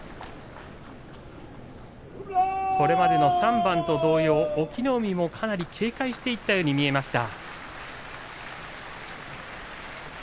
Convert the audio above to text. これまでの３番と同様隠岐の海もかなり警戒していったように見えました。